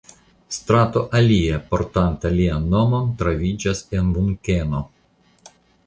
Strato alia portanta lian nomon troviĝas en Munkeno.